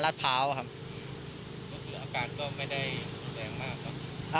แต่บาทชาติก็ไม่ได้รุนแรงมาก